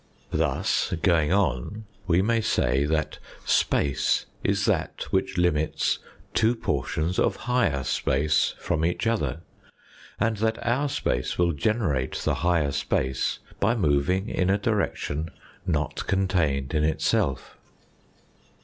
Thus, going on, we may say that space is that which limits two portions of higher space from each other, and that our space will generate the higher space by moving in a direction not contained in itself.